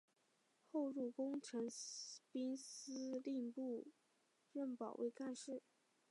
后入工程兵司令部任保卫干事。